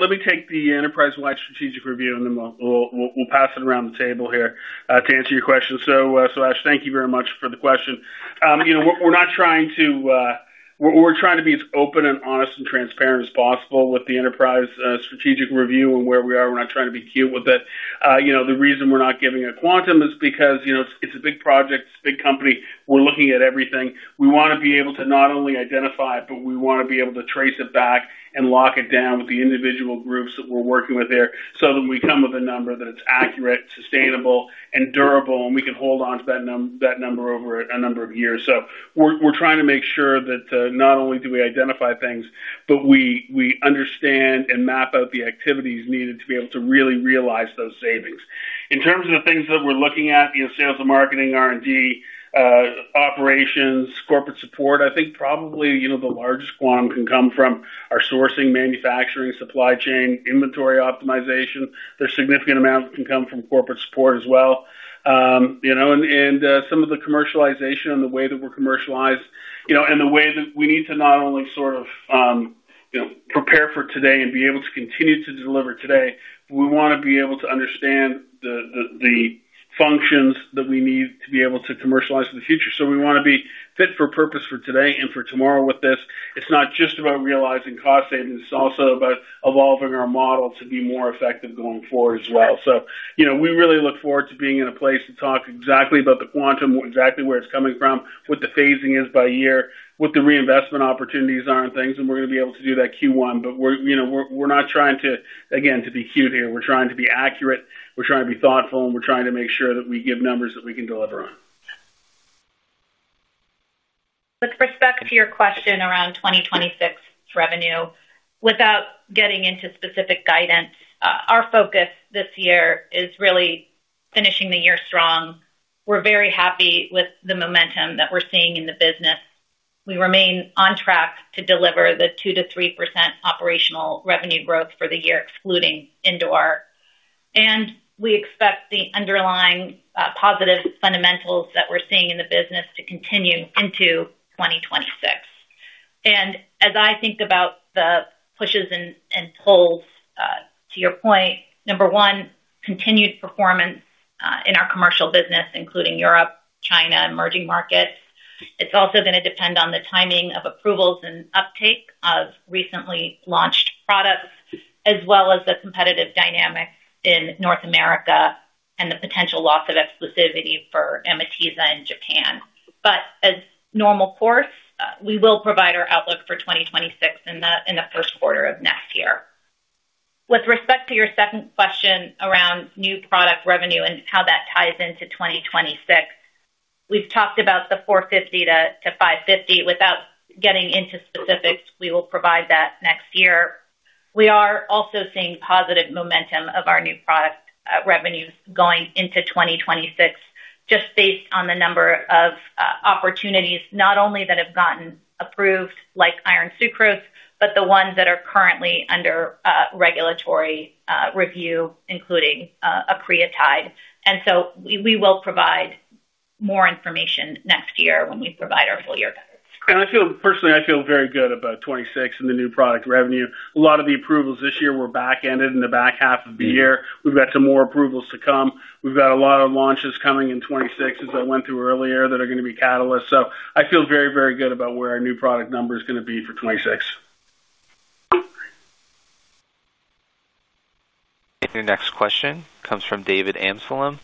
Let me take the enterprise-wide strategic review, and then we'll pass it around the table here to answer your question. Ash, thank you very much for the question. We're not trying to. We're trying to be as open and honest and transparent as possible with the enterprise strategic review and where we are. We're not trying to be cute with it. The reason we're not giving it quantum is because it's a big project. It's a big company. We're looking at everything. We want to be able to not only identify, but we want to be able to trace it back and lock it down with the individual groups that we're working with here so that we come with a number that is accurate, sustainable, and durable, and we can hold on to that number over a number of years. We're trying to make sure that not only do we identify things, but we understand and map out the activities needed to be able to really realize those savings. In terms of the things that we're looking at, sales and marketing, R&D, operations, corporate support, I think probably the largest quantum can come from our sourcing, manufacturing, supply chain, inventory optimization. There's significant amounts that can come from corporate support as well. And some of the commercialization and the way that we're commercialized and the way that we need to not only sort of prepare for today and be able to continue to deliver today, we want to be able to understand the functions that we need to be able to commercialize in the future. We want to be fit for purpose for today and for tomorrow with this. It's not just about realizing cost savings. It's also about evolving our model to be more effective going forward as well. We really look forward to being in a place to talk exactly about the quantum, exactly where it's coming from, what the phasing is by year, what the reinvestment opportunities are and things. We're going to be able to do that Q1. We're not trying to, again, to be cute here. We're trying to be accurate. We're trying to be thoughtful, and we're trying to make sure that we give numbers that we can deliver on. With respect to your question around 2026 revenue, without getting into specific guidance, our focus this year is really finishing the year strong. We're very happy with the momentum that we're seeing in the business. We remain on track to deliver the 2-3% operational revenue growth for the year, excluding Indore. We expect the underlying positive fundamentals that we're seeing in the business to continue into 2026. As I think about the pushes and pulls, to your point, number one, continued performance in our commercial business, including Europe, China, emerging markets. It's also going to depend on the timing of approvals and uptake of recently launched products, as well as the competitive dynamics in North America and the potential loss of exclusivity for Amitiza in Japan. As normal course, we will provide our outlook for 2026 in the first quarter of next year. With respect to your second question around new product revenue and how that ties into 2026, we've talked about the $450 million-$550 million. Without getting into specifics, we will provide that next year. We are also seeing positive momentum of our new product revenues going into 2026, just based on the number of opportunities not only that have gotten approved like iron sucrose, but the ones that are currently under regulatory review, including Accretide. We will provide more information next year when we provide our full year guidance. I feel personally, I feel very good about 2026 and the new product revenue. A lot of the approvals this year were backhanded in the back half of the year. We have got some more approvals to come. We have got a lot of launches coming in 2026, as I went through earlier, that are going to be catalysts. I feel very, very good about where our new product number is going to be for 2026. Your next question comes from David Amsellem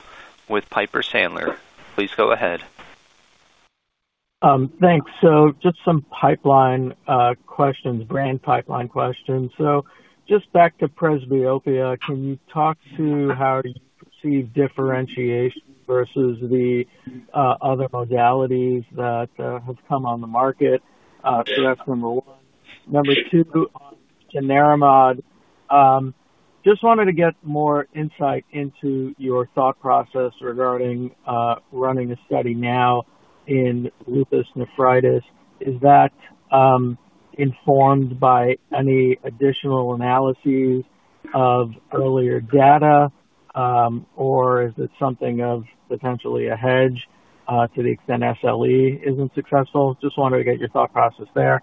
with Piper Sandler. Please go ahead. Thanks. Just some pipeline questions, brand pipeline questions. Just back to presbyopia, can you talk to how you perceive differentiation versus the other modalities that have come on the market? That is number one. Number two, on cenerimod, just wanted to get more insight into your thought process regarding running a study now in lupus nephritis. Is that informed by any additional analyses of earlier data, or is it something of potentially a hedge to the extent SLE is not successful? Just wanted to get your thought process there.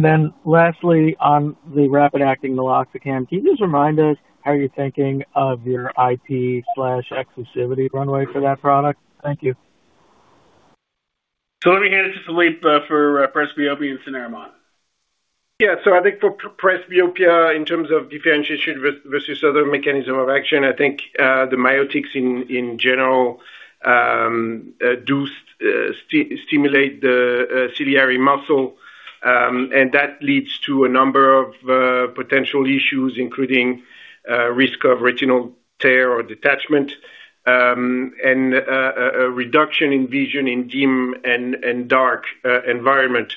Then lastly, on the fast-acting meloxicam, can you just remind us how you are thinking of your IP/exclusivity runway for that product? Thank you. Let me hand it to Philippe for presbyopia and cenerimod. Yeah. So I think for presbyopia, in terms of differentiation versus other mechanisms of action, I think the myotics in general do stimulate the ciliary muscle. That leads to a number of potential issues, including risk of retinal tear or detachment and a reduction in vision in dim and dark environment,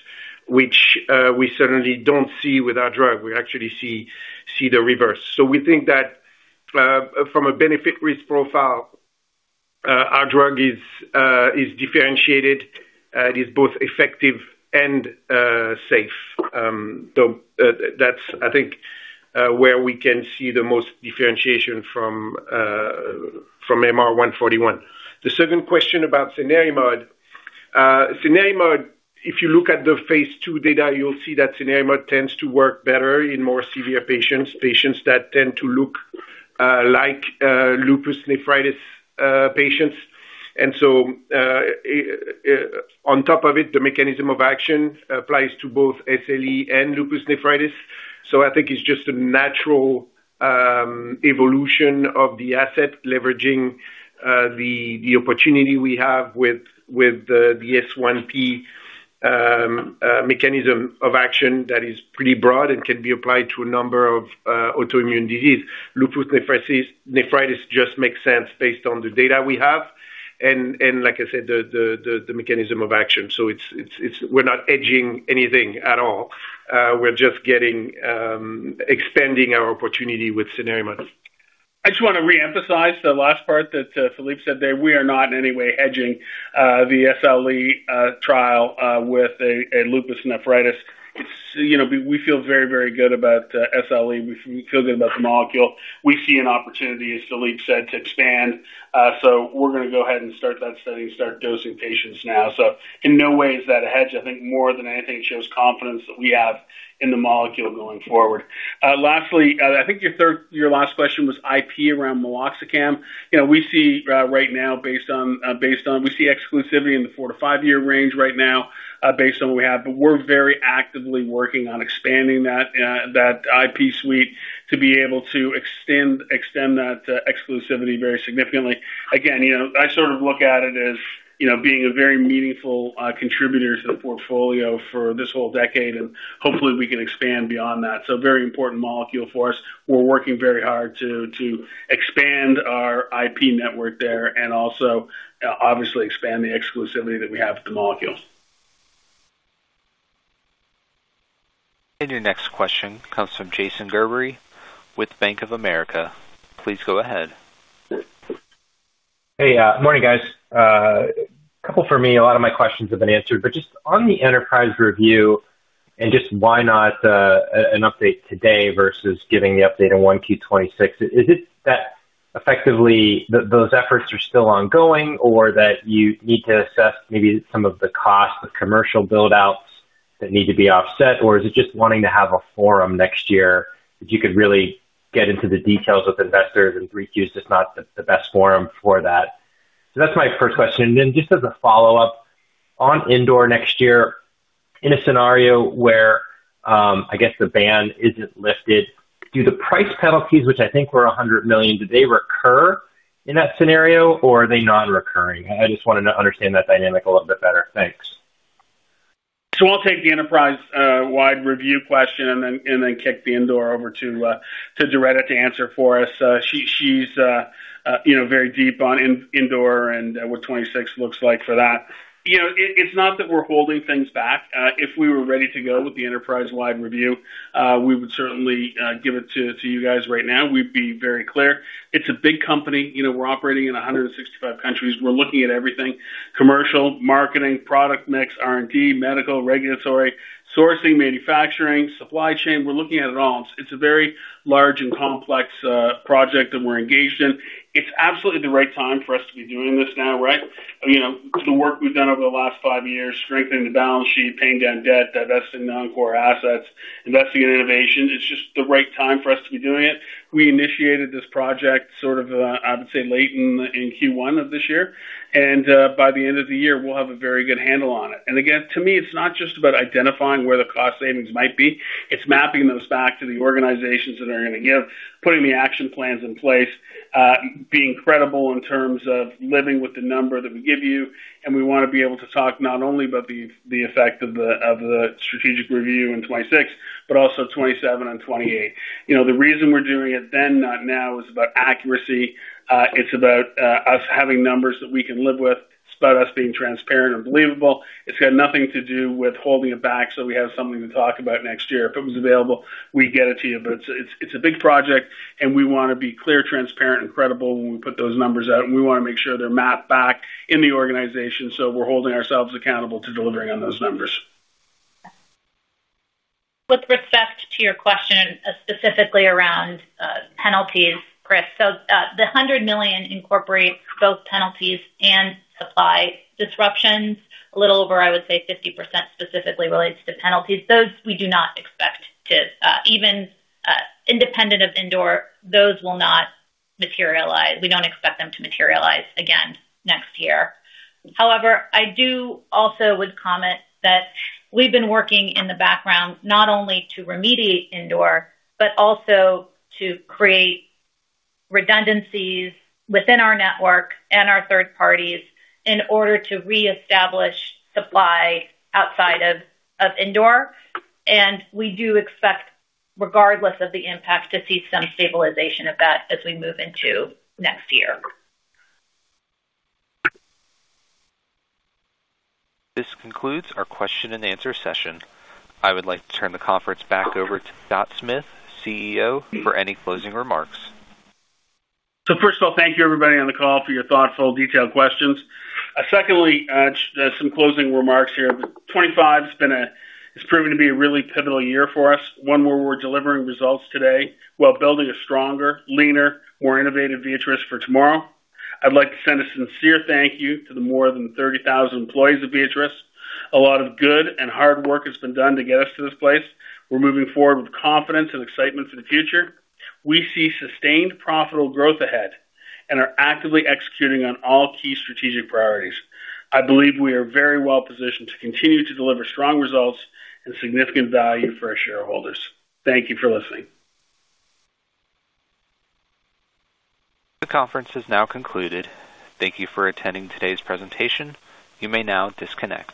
which we certainly do not see with our drug. We actually see the reverse. We think that from a benefit-risk profile, our drug is differentiated. It is both effective and safe. That is, I think, where we can see the most differentiation from MR-141. The second question about cenerimod. cenerimod, if you look at the phase II data, you will see that cenerimod tends to work better in more severe patients, patients that tend to look like lupus nephritis patients. On top of it, the mechanism of action applies to both SLE and lupus nephritis. I think it's just a natural evolution of the asset, leveraging the opportunity we have with the S1P mechanism of action that is pretty broad and can be applied to a number of autoimmune diseases. Lupus nephritis just makes sense based on the data we have. Like I said, the mechanism of action. We're not hedging anything at all. We're just expanding our opportunity with cenerimod. I just want to reemphasize the last part that Philippe said there. We are not in any way hedging the SLE trial with a lupus nephritis. We feel very, very good about SLE. We feel good about the molecule. We see an opportunity, as Philippe said, to expand. We are going to go ahead and start that study and start dosing patients now. In no way is that a hedge. I think more than anything, it shows confidence that we have in the molecule going forward. Lastly, I think your last question was IP around meloxicam. We see right now, based on what we have, exclusivity in the four- to five-year range right now. We are very actively working on expanding that IP suite to be able to extend that exclusivity very significantly. Again, I sort of look at it as being a very meaningful contributor to the portfolio for this whole decade. Hopefully, we can expand beyond that. Very important molecule for us. We're working very hard to expand our IP network there and also, obviously, expand the exclusivity that we have with the molecule. Your next question comes from Jason Gerberry with Bank of America. Please go ahead. Hey. Good morning, guys. A couple for me. A lot of my questions have been answered. Just on the enterprise review and just why not an update today versus giving the update in 1Q 2026? Is it that effectively those efforts are still ongoing, or that you need to assess maybe some of the costs of commercial buildouts that need to be offset? Is it just wanting to have a forum next year that you could really get into the details with investors and reach you? It's just not the best forum for that. That's my first question. Just as a follow-up, on Indore next year, in a scenario where I guess the ban isn't lifted, do the price penalties, which I think were $100 million, do they recur in that scenario, or are they non-recurring? I just wanted to understand that dynamic a little bit better. Thanks. I'll take the enterprise-wide review question and then kick the Indore over to Doretta to answer for us. She's very deep on Indore and what 2026 looks like for that. It's not that we're holding things back. If we were ready to go with the enterprise-wide review, we would certainly give it to you guys right now. We'd be very clear. It's a big company. We're operating in 165 countries. We're looking at everything: commercial, marketing, product mix, R&D, medical, regulatory, sourcing, manufacturing, supply chain. We're looking at it all. It's a very large and complex project that we're engaged in. It's absolutely the right time for us to be doing this now, right? The work we've done over the last five years, strengthening the balance sheet, paying down debt, divesting non-core assets, investing in innovation. It's just the right time for us to be doing it. We initiated this project sort of, I would say, late in Q1 of this year. By the end of the year, we'll have a very good handle on it. To me, it's not just about identifying where the cost savings might be. It's mapping those back to the organizations that are going to give, putting the action plans in place, being credible in terms of living with the number that we give you. We want to be able to talk not only about the effect of the strategic review in 2026, but also 2027 and 2028. The reason we're doing it then, not now, is about accuracy. It's about us having numbers that we can live with. It's about us being transparent and believable. It's got nothing to do with holding it back so we have something to talk about next year. If it was available, we'd get it to you. It is a big project, and we want to be clear, transparent, and credible when we put those numbers out. We want to make sure they're mapped back in the organization so we're holding ourselves accountable to delivering on those numbers. With respect to your question, specifically around penalties, the $100 million incorporates both penalties and supply disruptions. A little over, I would say, 50% specifically relates to penalties. Those we do not expect to even, independent of Indore, those will not materialize. We do not expect them to materialize again next year. However, I do also would comment that we've been working in the background not only to remediate Indore, but also to create redundancies within our network and our third parties in order to reestablish supply outside of Indore. We do expect, regardless of the impact, to see some stabilization of that as we move into next year. This concludes our question-and-answer session. I would like to turn the conference back over to Scott Smith, CEO, for any closing remarks. First of all, thank you, everybody, on the call for your thoughtful, detailed questions. Secondly, just some closing remarks here. 2025 has been a—it has proven to be a really pivotal year for us. One where we are delivering results today while building a stronger, leaner, more innovative Viatris for tomorrow. I would like to send a sincere thank you to the more than 30,000 employees of Viatris. A lot of good and hard work has been done to get us to this place. We are moving forward with confidence and excitement for the future. We see sustained, profitable growth ahead and are actively executing on all key strategic priorities. I believe we are very well positioned to continue to deliver strong results and significant value for our shareholders. Thank you for listening. The conference has now concluded. Thank you for attending today's presentation. You may now disconnect.